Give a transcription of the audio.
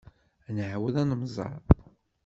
Ad nɛawed ad nemẓer.